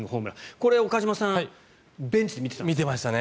これ、岡島さんはベンチで見てたんですよね。